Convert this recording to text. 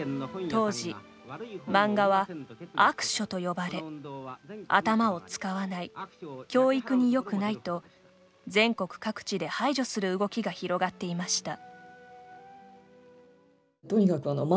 当時漫画は悪書と呼ばれ頭を使わない教育によくないと全国各地で排除する動きが広がっていました。